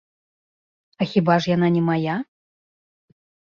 А хіба ж яна не мая?